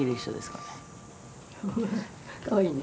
ほらかわいいね。